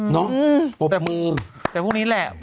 เนี่ย